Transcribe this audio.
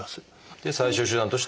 で最終手段として「手術」。